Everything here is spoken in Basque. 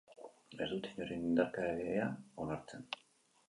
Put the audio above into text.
Ez dut inoren indarkeria onartzen.